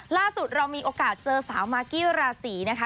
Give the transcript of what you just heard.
ล่าสุดเรามีโอกาสเจอสาวมากกี้ราศีนะคะ